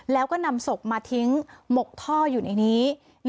แล้วก็นำศพมาทิ้งหมกท่ออยู่ในนี้